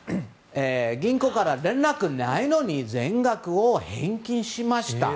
銀行から連絡がないのに全額を返金しました。